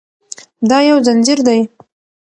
دا یو ځنځیر دی.